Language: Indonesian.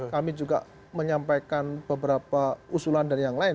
kami juga menyampaikan beberapa usulan dari yang lain